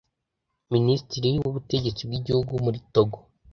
Minisitiri w’Ubutegetsi bw’igihugu muri Togo